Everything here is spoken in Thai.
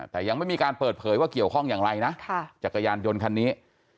แต่ยังไม่มีการเปิดเผยว่าเกี่ยวข้องอย่างไรนะจักรยานยนต์คันนี้